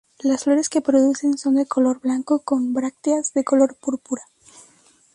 Las flores que producen son de color blanco con brácteas de color púrpura.